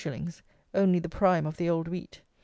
_, only the prime of the old wheat.